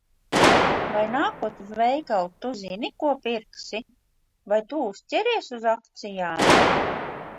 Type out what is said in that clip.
Vai, nākot uz veikalu, Tu zini, ko pirksi? Vai Tu uzķeries uz akcijām?